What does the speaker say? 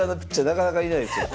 なかなかいないですよ。